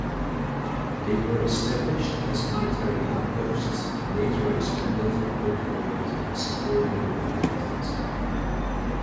They were established as military outposts and later expanded and populated with civilian inhabitants.